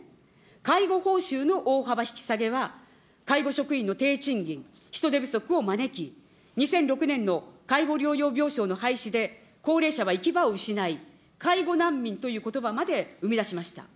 介護報酬の大幅引き下げは、介護職員の低賃金、人手不足を招き、２００６年の介護療養病床の廃止で、高齢者は行き場を失い、介護難民ということばまで生み出しました。